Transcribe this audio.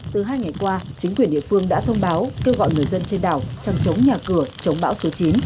từ hai ngày qua chính quyền địa phương đã thông báo kêu gọi người dân trên đảo trăng chống nhà cửa chống bão số chín